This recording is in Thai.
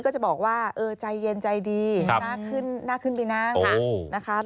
ก็จะบอกว่าใจเย็นใจดีน่าขึ้นไปนั่ง